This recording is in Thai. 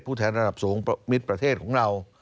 แทนระดับสูงมิตรประเทศของเรา